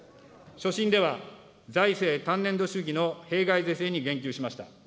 所信では財政単年度主義の弊害是正に言及しました。